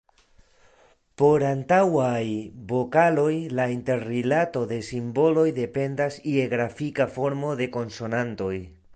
Por antaŭaj vokaloj la interrilato de simboloj dependas je grafika formo de konsonantoj.